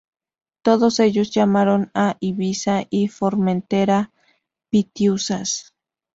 Todos ellos llamaron a Ibiza y Formentera Pitiusas.